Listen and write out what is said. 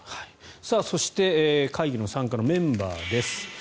そして会議の参加メンバーです。